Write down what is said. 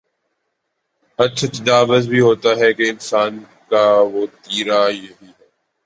حد سے تجاوز بھی ہوتا ہے کہ انسان کا وتیرہ یہی ہے۔